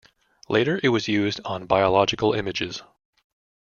Later it was used on biological images.